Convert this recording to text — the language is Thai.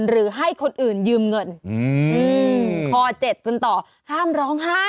หรือให้คนอื่นยืมเงินคอเจ็ดจนต่อห้ามร้องไห้